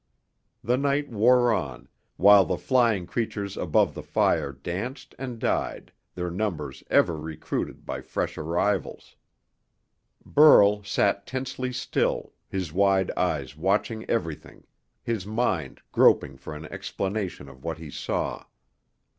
The night wore on, while the flying creatures above the fire danced and died, their numbers ever recruited by fresh arrivals. Burl sat tensely still, his wide eyes watching everything, his mind groping for an explanation of what he saw.